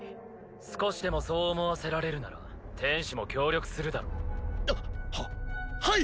少しでもそう思わせられるなら天使も協力するだろうははい！